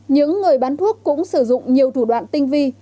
những người bán thuốc cũng sử dụng nhiều thủ đoạn tinh vi